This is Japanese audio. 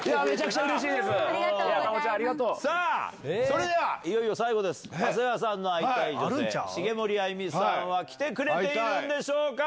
それではいよいよ最後です長谷川さんの会いたい女性茂森あゆみさんは来てくれているんでしょうか？